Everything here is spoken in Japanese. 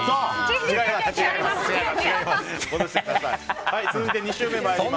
違います！